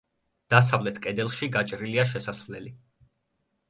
დასავლეთ კედელში გაჭრილია შესასვლელი.